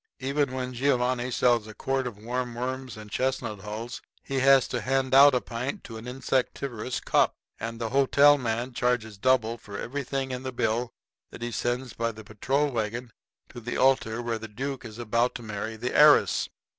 Even when Giovanni sells a quart of warm worms and chestnut hulls he has to hand out a pint to an insectivorous cop. And the hotel man charges double for everything in the bill that he sends by the patrol wagon to the altar where the duke is about to marry the heiress.